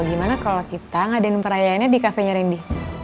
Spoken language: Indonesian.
gimana kalau kita ngadain perayaannya di kafenya randy